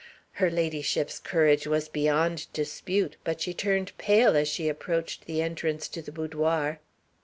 Her ladyship's courage was beyond dispute; but she turned pale as she approached the entrance to the boudoir.